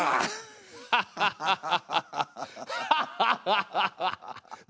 ハハハハ！